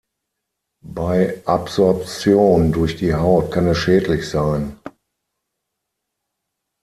Bei Absorption durch die Haut kann es schädlich sein.